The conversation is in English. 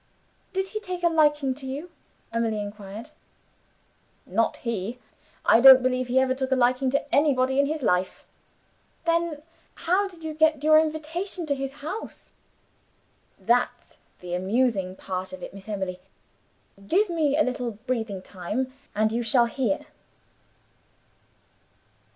"Did he take a liking to you?" Emily inquired. "Not he! I don't believe he ever took a liking to anybody in his life." "Then how did you get your invitation to his house?" "That's the amusing part of it, Miss Emily. Give me a little breathing time, and you shall hear."